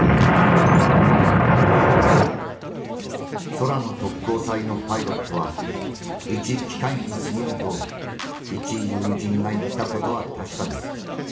「空の特攻隊のパイロットは一機械にすぎぬと一友人が言った事は確かです。